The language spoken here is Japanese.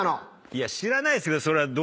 いや知らないっすけどそれは。